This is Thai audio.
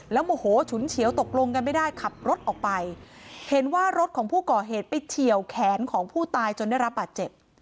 โมโหฉุนเฉียวตกลงกันไม่ได้ขับรถออกไปเห็นว่ารถของผู้ก่อเหตุไปเฉียวแขนของผู้ตายจนได้รับบาดเจ็บ